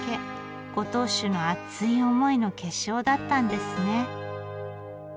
ご当主の熱い思いの結晶だったんですね。